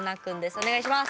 お願いします。